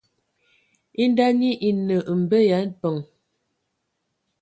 E nda nyi e nə mbə ya abəŋ.